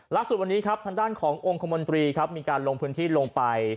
ล่าสุดวันนี้ครับทางด้านขององค์คมนตรีครับมีการลงพื้นที่ลงไป